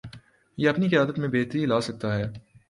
یہ اپنی قیادت میں بہتری لاسکتا ہے۔